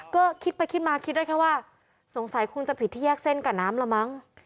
ก็คิดไปคิดมาคิดได้แค่ว่าสงสัยคงจะผิดที่แยกเส้นกับน้ำละมั้ง